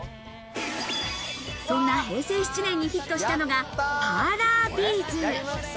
そんな平成７年にヒットしたのがパーラービーズ。